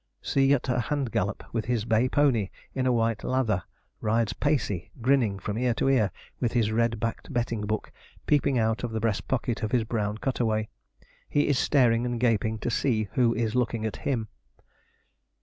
See at a hand gallop, with his bay pony in a white lather, rides Pacey, grinning from ear to ear, with his red backed betting book peeping out of the breast pocket of his brown cutaway. He is staring and gaping to see who is looking at him.